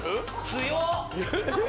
強っ！